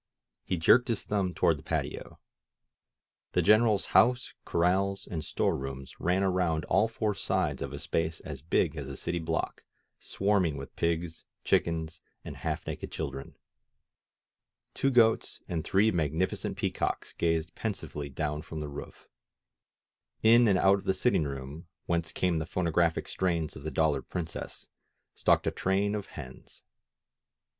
He jerked his thumb toward the patio. The Greneral's house, corrals and store rooms ran around all four sides of a space as big as a city block, swarming with pigs, chickens and half naked children. Two goats and three magnificent pea cocks gazed pensively down from the roof. In and out of the sitting room, whence came the phonographic strains of the ^^Dollar Princess," stalked a train of hens.